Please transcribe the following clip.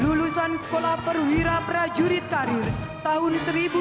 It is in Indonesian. lulusan akademi militer tahun dua ribu satu